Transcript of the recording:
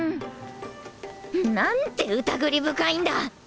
何てうたぐり深いんだ